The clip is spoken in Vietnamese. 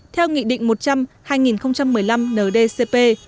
theo nghị định một trăm linh hai nghìn một mươi năm ndcp